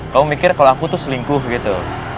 kamu mikir kalau aku tuh selingkuh gitu